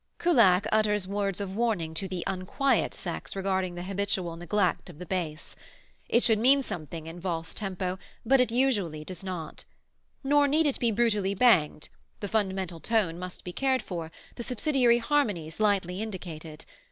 Kullak utters words of warning to the "unquiet" sex regarding the habitual neglect of the bass. It should mean something in valse tempo, but it usually does not. Nor need it be brutally banged; the fundamental tone must be cared for, the subsidiary harmonies lightly indicated.